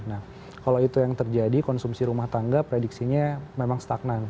nah kalau itu yang terjadi konsumsi rumah tangga prediksinya memang stagnan